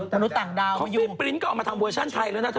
มนุษย์ต่างดาวอยู่พี่ปริ้นท์ก็เอามาทำเวอร์ชันไทยแล้วนะเธอ